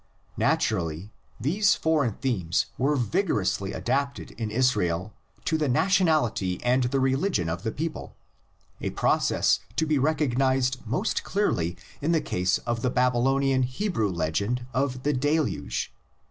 Naturally these foreign themes were vigorously adapted in Israel to the nationality and the religion of the people, a process to be recognised most clearly in the case of the Babylonian Hebrew legend THE LEGENDS IN ORAL TRADITION. 95 of the Deluge.